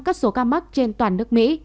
các số ca mắc trên toàn nước mỹ